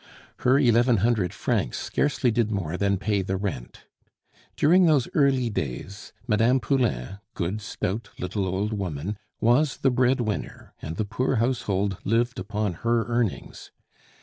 Her eleven hundred francs scarcely did more than pay the rent. During those early days, Mme. Poulain, good, stout, little old woman, was the breadwinner, and the poor household lived upon her earnings.